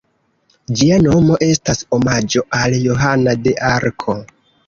Ĝia nomo estas omaĝo al Johana de Arko.